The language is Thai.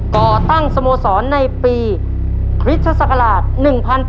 ก่อตั้งสโมสรในปีคริสตศักราช๑๘